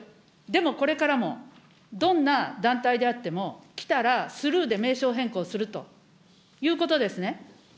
でもこれからもどんな団体であっても、来たらスルーで名称変更するということですね。